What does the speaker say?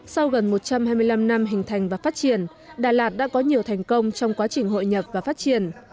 sau gần một trăm hai mươi năm năm hình thành và phát triển đà lạt đã có nhiều thành công trong quá trình hội nhập và phát triển